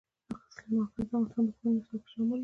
سلیمان غر د افغانستان د پوهنې نصاب کې شامل دي.